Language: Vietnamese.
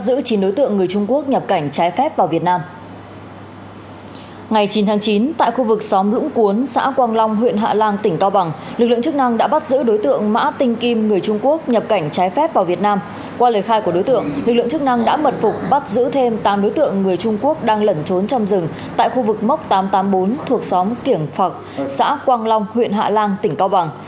qua lời khai của đối tượng lực lượng chức năng đã mật phục bắt giữ thêm tám đối tượng người trung quốc đang lẩn trốn trong rừng tại khu vực mốc tám trăm tám mươi bốn thuộc xóm kiểng phật xã quang long huyện hạ lan tỉnh cao bằng